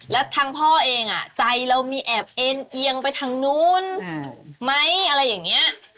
แล้วทางพ่อเองใจเรามีแอบเอ็นเอียงไปทางนู้นไหมอะไรอย่างนี้